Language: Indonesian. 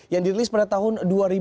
yang dirilis pada tahun dua ribu dua